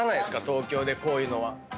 東京でこういうのは。